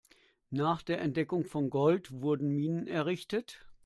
Nach der Entdeckung von Gold wurden Minen errichtet.